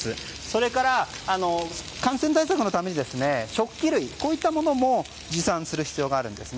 それから感染対策のために食器類、こういったものも持参する必要があるんです。